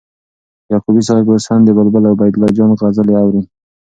یعقوبی صاحب اوس هم د بلبل عبیدالله جان غزلي اوري